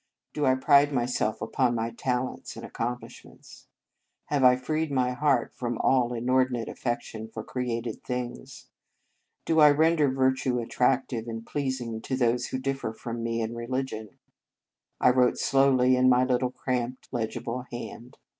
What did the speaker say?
"" Do I pride myself upon my tal ents and accomplishments ?"" Have I freed my heart from all inordinate affection for created things ?"" Do I render virtue attractive and pleasing to those who differ from me in religion ?" I wrote slowly in my little, cramped, legible hand.